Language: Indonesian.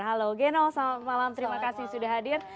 halo geno selamat malam terima kasih sudah hadir